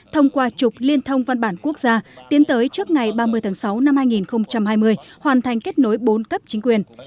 thông qua trục liên thông văn bản quốc gia tiến tới trước ngày ba mươi tháng sáu năm hai nghìn hai mươi hoàn thành kết nối bốn cấp chính quyền